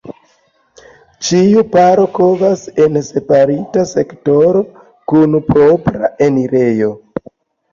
Ĉiu paro kovas en separita sektoro kun propra enirejo.